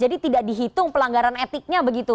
dan etiknya begitu